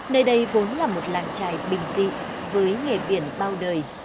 nơi đây vốn là một làng trài bình dị với nghề biển bao đời